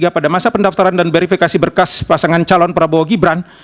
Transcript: pada masa pendaftaran dan verifikasi berkas pasangan calon prabowo gibran